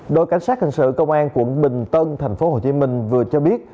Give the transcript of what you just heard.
đội cảnh sát hình sự công an quận bình tân tp hcm vừa cho biết